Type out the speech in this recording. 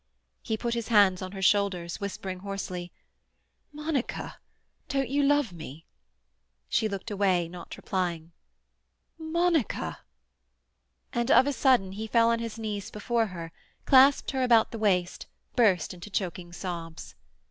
He put his hands on her shoulders, whispering hoarsely, "Monica! don't you love me?" She looked away, not replying. "Monica!" And of a sudden he fell on his knees before her, clasped her about the waist, burst into choking sobs.